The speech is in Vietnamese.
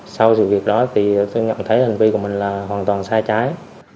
sau sự việc đó thì tôi nhận thấy hành vi của mình là hoàn toàn sai trái